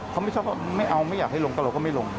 เขาไม่ชอบว่าไม่เอาไม่อยากให้ลงก็เราก็ไม่ลง